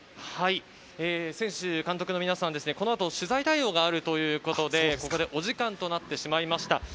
選手・監督の皆さんはこの後、取材対応があるということで、ここでお時間となってしまいました。